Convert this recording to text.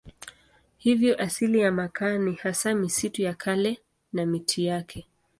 Hivyo asili ya makaa ni hasa misitu ya kale na miti yake.